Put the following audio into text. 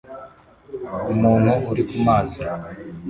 Umuntu uri kumazi